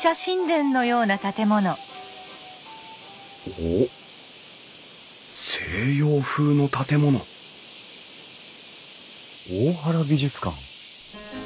おっ西洋風の建物大原美術館。